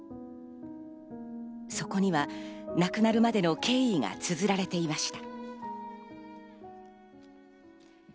そこには亡くなるまでの経緯がつづられていました。